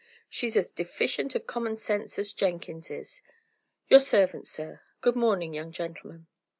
She's as deficient of common sense as Jenkins is. Your servant, sir. Good morning, young gentlemen!"